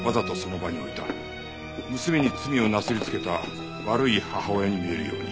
娘に罪をなすりつけた悪い母親に見えるように。